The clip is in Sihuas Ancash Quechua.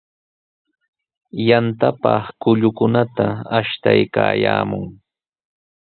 Yantapaq kullukunata ashtaykaayaamun.